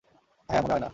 হ্যাঁ, মনে হয় না।